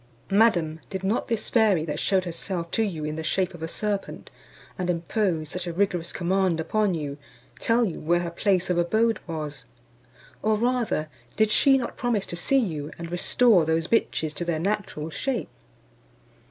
"Madam, did not this fairy, that shewed herself to you in the shape of a serpent, and imposed such a rigorous command upon you, tell you where her place of abode was? Or rather, did she not promise to see you, and restore those bitches to their natural shape?"